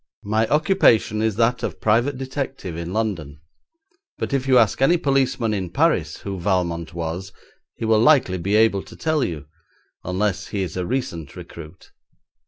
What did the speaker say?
My occupation is that of private detective in London, but if you ask any policeman in Paris who Valmont was he will likely be able to tell you, unless he is a recent recruit.